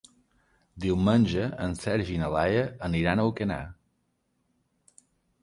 Diumenge en Sergi i na Laia aniran a Alcanar.